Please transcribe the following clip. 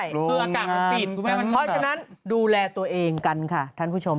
เพราะฉะนั้นดูแลตัวเองกันค่ะท่านผู้ชม